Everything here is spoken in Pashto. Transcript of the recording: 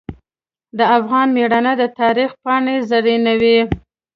د افغان میړانه د تاریخ پاڼې زرینوي.